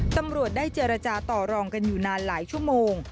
ตำรวจได้เจรจาต่อรองกันอยู่นานหลายชั่วโมง